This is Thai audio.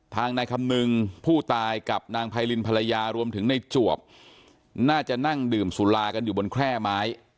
นายคำนึงผู้ตายกับนางไพรินภรรยารวมถึงในจวบน่าจะนั่งดื่มสุรากันอยู่บนแคร่ไม้